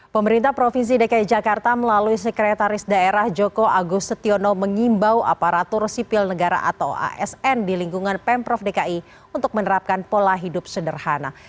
pemerintah provinsi dki jakarta melalui sekretaris daerah joko agus setiono mengimbau aparatur sipil negara atau asn di lingkungan pemprov dki untuk menerapkan pola hidup sederhana